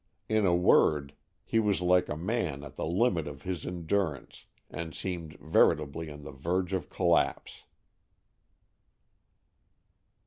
In a word, he was like a man at the limit of his endurance, and seemed veritably on the verge of collapse.